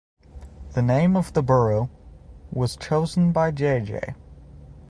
The name of the borough was chosen by J. J.